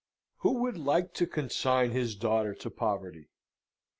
Who would like to consign his daughter to poverty?